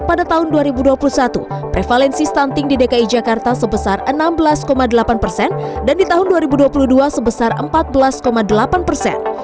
pada tahun dua ribu dua puluh satu prevalensi stunting di dki jakarta sebesar enam belas delapan persen dan di tahun dua ribu dua puluh dua sebesar empat belas delapan persen